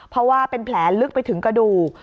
เพราะว่าเป็นแผลลึกไปถึงกระดูก